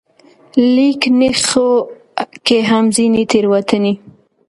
ليکنښو کې هم ځينې تېروتنې